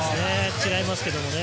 違いますけどね。